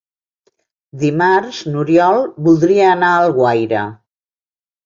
Dimarts n'Oriol voldria anar a Alguaire.